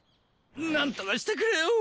なんとかしてくれよ！